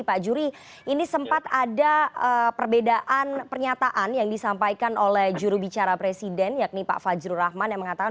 pak juri ini sempat ada perbedaan pernyataan yang disampaikan oleh jurubicara presiden yakni pak fajrul rahman yang mengatakan